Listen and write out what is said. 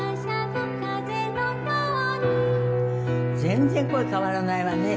全然声変わらないわね。